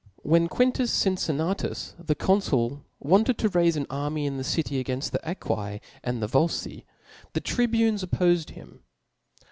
When Quintus Cincinnatus the cor^ful wanted to raife an army in the city againft the jEqui and the Volfci^ the tribunes oppofed him.